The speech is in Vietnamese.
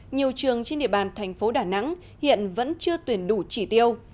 nhiều trường trên địa bàn thành phố đà nẵng hiện vẫn chưa tuyển đủ chỉ tiêu